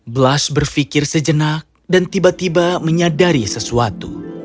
blas berpikir sejenak dan tiba tiba menyadari sesuatu